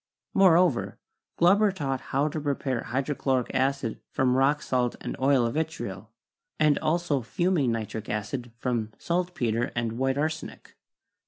Moreover, Glauber taught how to prepare hydrochloric acid from rock salt and oil of vitriol, and also fuming nitric acid from saltpeter and white arsenic.